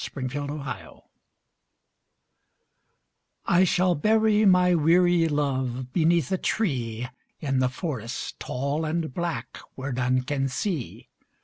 Buried Love I shall bury my weary Love Beneath a tree, In the forest tall and black Where none can see.